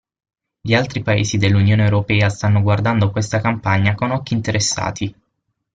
Gli altri paesi dell'unione europea stanno guardando questa campagna con occhi interessati.